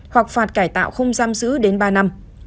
hoặc phạt cải tạo không giam giữ đến ba năm